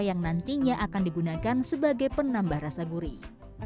yang nantinya akan digunakan sebagai penambah rasa gurih